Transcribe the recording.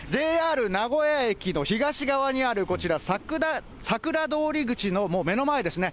ＪＲ名古屋駅の東側にある、こちら、さくら通り口の目の前ですね。